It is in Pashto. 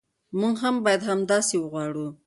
موږ هم باید همداسې وغواړو.